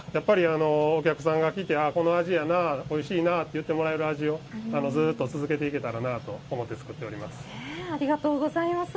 お客さんが来てこの味やな、おいしいなって言ってくれる味をずっと、続けていけたらなと思って作っております。